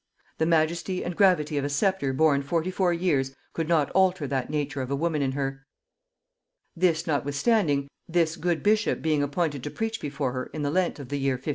The majesty and gravity of a sceptre borne forty four years could not alter that nature of a woman in her: This notwithstanding, this good bishop being appointed to preach before her in the Lent of the year 1596...